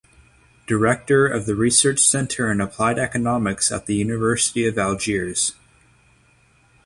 Director of the Research Center in Applied Economics of the University of Algiers.